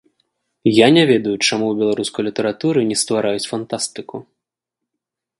Я не ведаю, чаму ў беларускай літаратуры не ствараюць фантастыку.